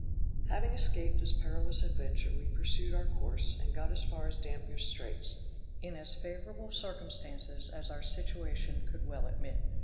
Having escaped this perilous adventure we pursued our course, and got as far as Dampier's Straits, in as favorable circumstances as our situation could well admit.